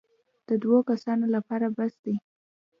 د دوو کسانو لپاره بس دی.